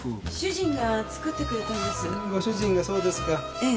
ええ。